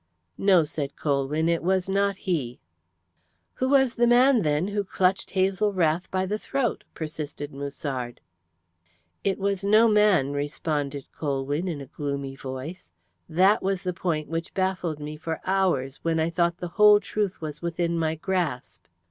"No," said Colwyn; "it was not he." "Who was the man, then, who clutched Hazel Rath, by the throat?" persisted Musard. "It was no man," responded Colwyn, in a gloomy voice. "That was the point which baffled me for hours when I thought the whole truth was within my grasp.